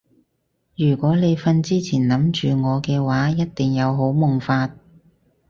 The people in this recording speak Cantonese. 如果你瞓之前諗住我嘅話一定有好夢發